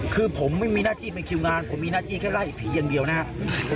คือผมไม่มีหน้าที่เป็นคิวงานผมมีหน้าที่แค่ไล่ผีอย่างเดียวนะครับ